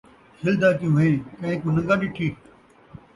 کھلدا کیوں ہیں ؟ کئیں کوں نن٘گا ݙٹھی